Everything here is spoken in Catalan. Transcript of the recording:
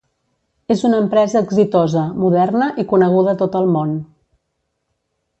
és una empresa exitosa, moderna i coneguda a tot el món